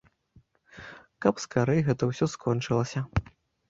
Каб скарэй гэта ўсё скончылася.